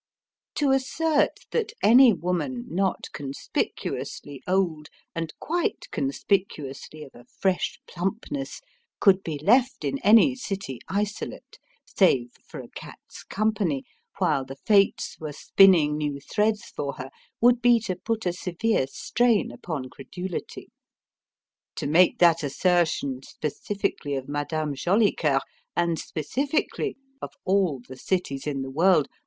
To assert that any woman not conspicuously old and quite conspicuously of a fresh plumpness could be left in any city isolate, save for a cat's company, while the fates were spinning new threads for her, would be to put a severe strain upon credulity. To make that assertion specifically of Madame Jolicoeur, and specifically of all cities in the world!